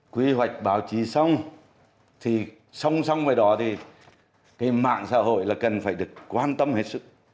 quy hoạch báo chí xong thì xong xong với đó thì cái mạng xã hội là cần phải được quan tâm hết